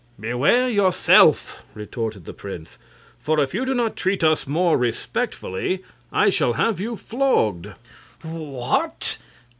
"Beware yourself!" retorted the prince. "For if you do not treat us more respectfully, I shall have you flogged." "What!